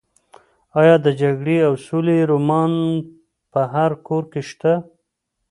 ایا د جګړې او سولې رومان په هر کور کې شته؟